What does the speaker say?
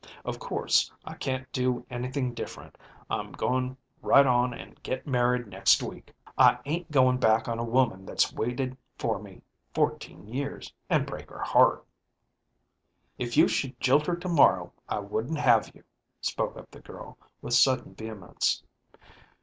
Of course I can't do anything any different. I'm going right on an' get married next week. I ain't going back on a woman that's waited for me fourteen years, an' break her heart." " If you should jilt her to morrow, I wouldn't have you," spoke up the girl, with sudden vehemence.